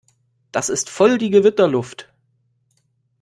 Das ist voll die Gewitterluft.